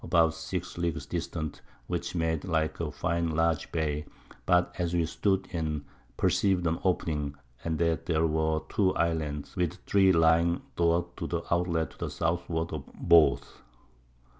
about 6 Leagues distant, which made like a fine large Bay, but as we stood in perceived an Opening, and that there were 2 Islands, with 3 lying thwart the Out let to the Southward of both.